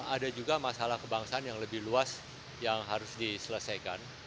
ada juga masalah kebangsaan yang lebih luas yang harus diselesaikan